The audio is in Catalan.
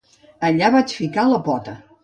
Allà vaig ficar la pota.